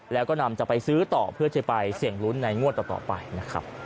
แล้วก็นำจะไปซื้อต่อเพื่อจะไปเสี่ยงลุ้นในงวดต่อไปนะครับ